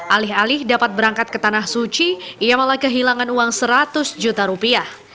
alih alih dapat berangkat ke tanah suci ia malah kehilangan uang seratus juta rupiah